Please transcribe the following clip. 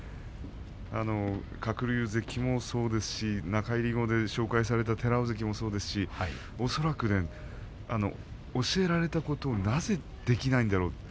鶴竜関もそうですし中入り後で紹介された寺尾関もそうですし恐らく教えられたことをなぜできないんだろう